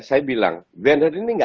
saya bilang werner ini tidak cocok